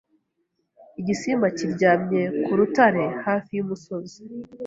Igisimba kiryamye ku rutare hafi y’umusozi.